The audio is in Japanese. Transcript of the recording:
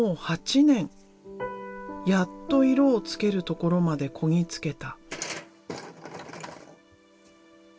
やっと色をつけるところまでこぎ着けた。